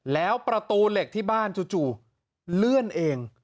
แล้วประตูเหล็กที่บ้านจู่เลื่อนเอง